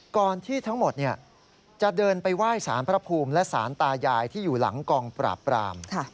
ก่อนที่ทั้งหมดจะเดินไปไหว้สารพระภูมิและสารตายายที่อยู่หลังกองปราบปราม